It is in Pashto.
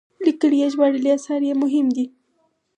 لیکلي یا ژباړلي اثار یې مهم دي.